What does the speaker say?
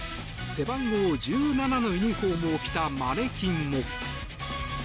背番号１７のユニホームを着たマネキンも。